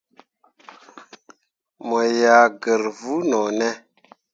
Mo yah gǝr vuu no ne ?